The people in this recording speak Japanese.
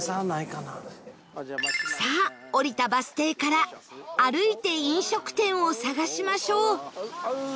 さあ降りたバス停から歩いて飲食店を探しましょう